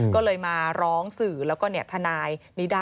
ก็เลยมาร้องสื่อและก็เนียครรฐนายธุรกิจพลัง